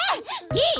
いい！？